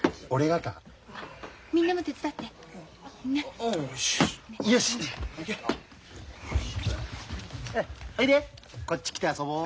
おいでこっち来て遊ぼう。